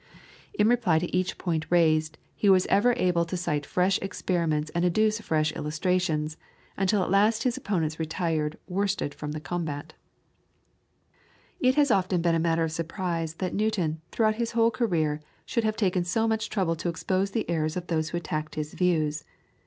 In reply to each point raised, he was ever able to cite fresh experiments and adduce fresh illustrations, until at last his opponents retired worsted from the combat. It has been often a matter for surprise that Newton, throughout his whole career, should have taken so much trouble to expose the errors of those who attacked his views.